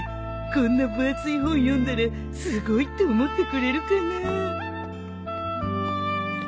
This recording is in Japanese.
こんな分厚い本読んだらすごいって思ってくれるかな？